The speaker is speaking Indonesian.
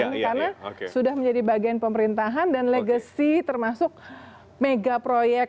karena sudah menjadi bagian pemerintahan dan legacy termasuk megaproyek